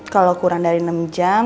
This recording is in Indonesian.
kalau kurang dari enam jam